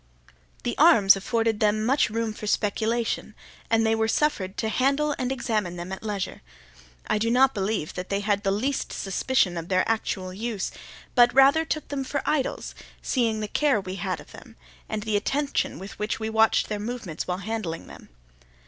The arms afforded them much food for speculation, and they were suffered to handle and examine them at leisure. I do not believe that they had the least suspicion of their actual use, but rather took them for idols, seeing the care we had of them, and the attention with which we watched their movements while handling them.